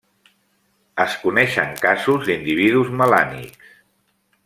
Es coneixen casos d'individus melànics.